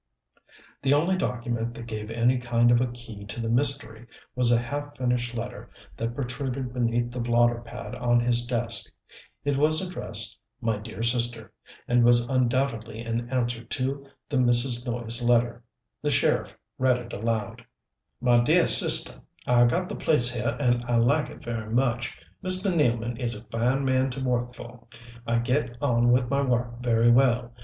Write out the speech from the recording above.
The only document that gave any kind of a key to the mystery was a half finished letter that protruded beneath the blotter pad on his desk. It was addressed "My dear Sister," and was undoubtedly in answer to the "Mrs. Noyes" letter. The sheriff read it aloud: My dear Sister: I got the place here and like it very much. Mr. Nealman is a fine man to work for. I get on with my work very well.